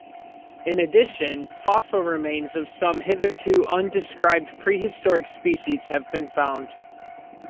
In addition, fossil remains of some hitherto undescribed prehistoric species have been found.